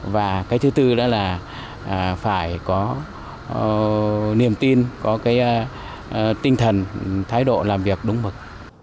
và cái thứ tư đó là phải có niềm tin có cái tinh thần thái độ làm việc đúng mực